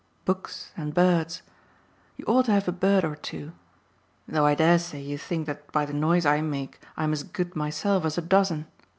books and birds. You ought to have a bird or two, though I dare say you think that by the noise I make I'm as good myself as a dozen.